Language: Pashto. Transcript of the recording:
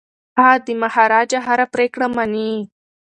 هغه د مهاراجا هره پریکړه مني.